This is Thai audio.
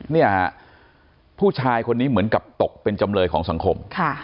เนี่ยฮะผู้ชายคนนี้เหมือนกับตกเป็นจำเลยของสังคม